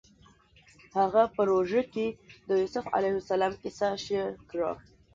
هغه په روژه کې د یوسف علیه السلام کیسه شعر کړه